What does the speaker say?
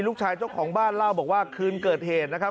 เจ้าของบ้านเล่าบอกว่าคืนเกิดเหตุนะครับ